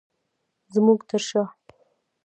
زمونږ تر شاه